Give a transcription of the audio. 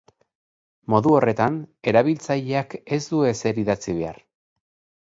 Modu horretan, erabiltzaileak ez du ezer idatzi behar.